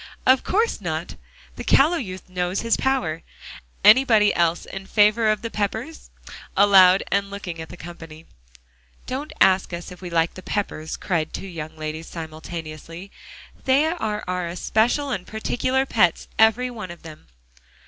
"Of course not. The callow youth knows his power. Anybody else in favor of the Peppers?" aloud, and looking at the company. "Don't ask us if we like the Peppers," cried two young ladies simultaneously. "They are our especial and particular pets, every one of them."